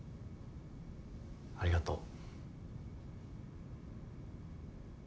ありがとう。